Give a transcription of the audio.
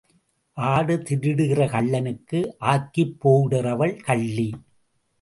ஆடு திருடுகிற கள்ளனுக்கு ஆக்கிப் போடுகிறவள் கள்ளி.